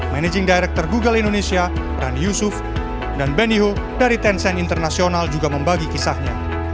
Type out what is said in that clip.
managing director google indonesia rani yusuf dan benihul dari tencent international juga membagi kisahnya